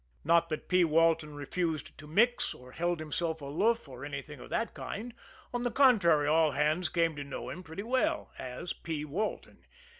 Not that P. Walton refused to mix, or held himself aloof, or anything of that kind; on the contrary, all hands came to know him pretty well as P. Walton.